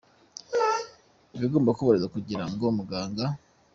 Ibigomba kubahirizwa kugira ngo muganga